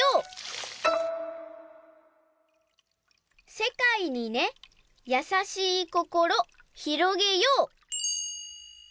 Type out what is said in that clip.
「せかいにねやさしいこころひろげよう」。